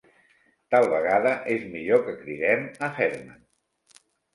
Tal vegada és millor que cridem a Herman.